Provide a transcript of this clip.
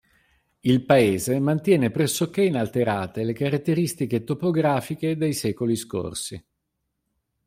Il paese mantiene pressoché inalterate le caratteristiche topografiche dei secoli scorsi.